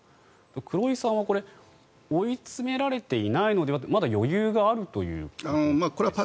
黒井さんは追い詰められていないのではとまだ余裕があるということですか？